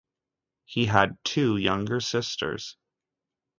He had two younger sisters.